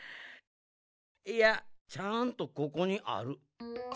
いやちゃんとここにある。